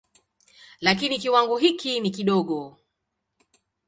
Lakini kiwango hiki ni kidogo.